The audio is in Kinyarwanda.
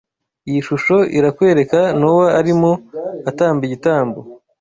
Iyi shusho irakwereka Nowa arimo atamba igitambo